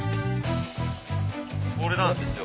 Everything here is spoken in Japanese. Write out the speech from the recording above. これなんですよ。